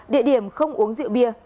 địa điểm không uống rượu bia